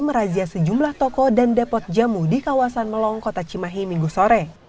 merazia sejumlah toko dan depot jamu di kawasan melong kota cimahi minggu sore